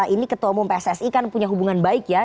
ini ketua umum pssi kan punya hubungan baik ya